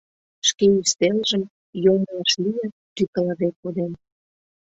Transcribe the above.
Шке ӱстелжым, йоҥылыш лийын, тӱкылыде коден.